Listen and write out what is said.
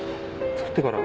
作ってから。